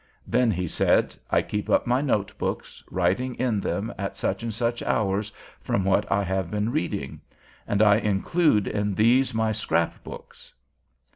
"Then," he said, "I keep up my notebooks, writing in them at such and such hours from what I have been reading; and I include in these my scrap books."